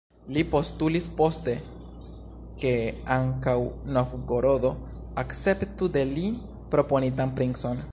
Li postulis poste, ke ankaŭ Novgorodo akceptu de li proponitan princon.